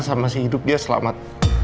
elsa masih hidup dia selamat